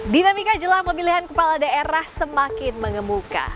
dinamika jelang pemilihan kepala daerah semakin mengemuka